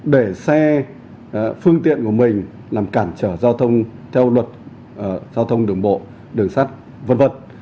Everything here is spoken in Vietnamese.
để xe phương tiện của mình làm cản trở giao thông theo luật giao thông đường bộ đường sắt v v